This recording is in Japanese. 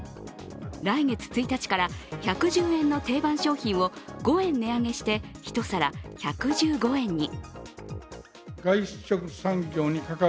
来月１日から１１０円の定番商品を５円値上げして１皿１１５円に。